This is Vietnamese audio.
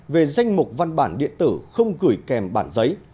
về danh mục văn bản điện tử không gửi kèm bản giấy